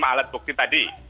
lima alat bukti tadi